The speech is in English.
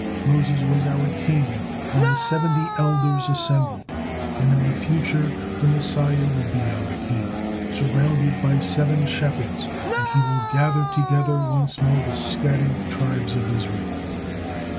Moses was our king when the seventy elders assembled, and in the future the Messiah will be our king, surrounded by seven shepherds, and he will gather together once more the scattered tribes of Israel."